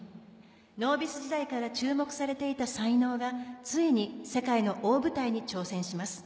ノービス時代から注目されていた才能がついに世界の大舞台に挑戦します。